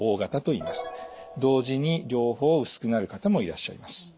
同時に両方薄くなる方もいらっしゃいます。